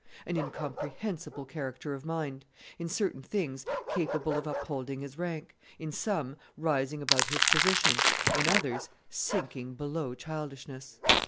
An incomprehensible character of mind: in certain things, capable of upholding his rank; in some, rising above his position; in others, sinking below childishness."